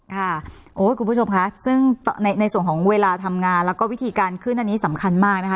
คุณผู้ชมค่ะซึ่งในส่วนของเวลาทำงานแล้วก็วิธีการขึ้นอันนี้สำคัญมากนะคะ